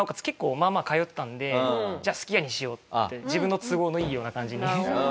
結構まあまあ通ってたのでじゃあすき家にしようって自分の都合のいいような感じに。